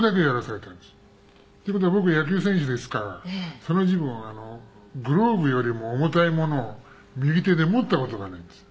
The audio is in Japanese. っていう事は僕野球選手ですからその時分グローブよりも重たいものを右手で持った事がないんです。